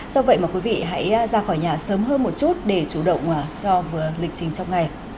do vậy mà quý vị hãy ra khỏi nhà sớm hơn một chút để chủ động cho lịch trình trong ngày